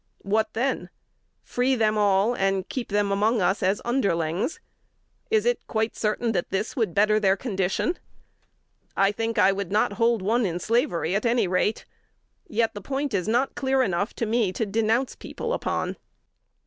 What then? Free them all, and keep them among us as underlings? Is it quite certain that this betters their condition? I think I would not hold one in slavery at any rate, yet the point is not clear enough to me to denounce people upon.